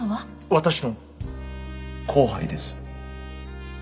私の後輩です。